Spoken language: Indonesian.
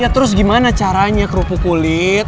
terus gimana caranya kerupuk kulit